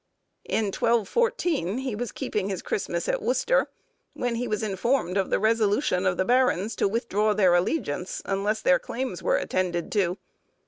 In 1214, he was keeping his Christmas at Worcester, when he was informed of the resolution of the barons to withdraw their allegiance, unless their claims were attended to.